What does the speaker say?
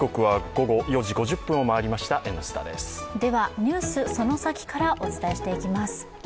「ＮＥＷＳそのサキ！」からお伝えしていきます。